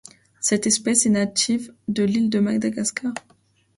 Cette espèce est native de l'île de Madagascar.